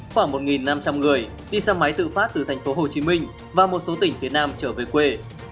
khoảng một năm trăm linh người đi xe máy tự phát từ thành phố hồ chí minh và một số tỉnh phía nam trở về quê